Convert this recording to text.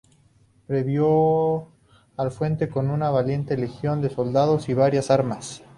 Previó al fuerte con una valiente legión de soldados y varias armas.